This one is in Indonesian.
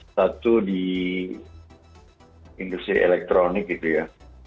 satu di industri elektronik gitu ya